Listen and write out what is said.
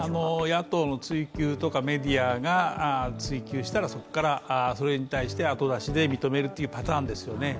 野党の追及とかメディアが追及したら、そこから、それに対して後出しで認めるというパターンですよね。